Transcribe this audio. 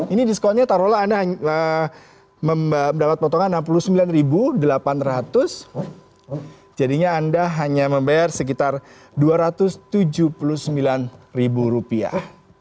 ini diskonnya taruhlah anda mendapat potongan enam puluh sembilan delapan ratus jadinya anda hanya membayar sekitar dua ratus tujuh puluh sembilan rupiah